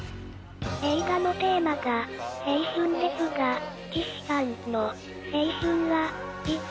映画のテーマが青春ですが、岸さんの青春はいつ？